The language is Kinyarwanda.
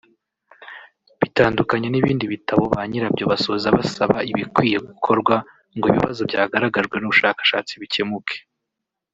Bitandukanye n’ibindi bitabo ba nyirabyo basoza basaba ibikwiye gukorwa ngo ibibazo byagaragajwe n’ubushakashatsi bikemuke